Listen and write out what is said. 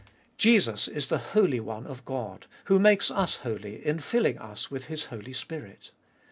Jesus is the Holy One of God, who makes us holy in filling us with His Holy Spirit.